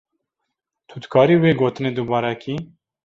Tu dikarî wê gotinê dubare kî.